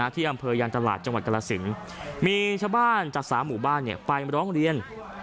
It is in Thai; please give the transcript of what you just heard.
ที่อำเภอยางตลาดจังหวัดกรสินมีชาวบ้านจาก๓หมู่บ้านไปร้องเรียน